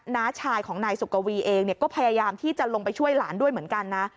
น้าชายของนายสุกวีเองก็พยายามที่จะลงไปช่วยหลานด้วยเหมือนกันนะ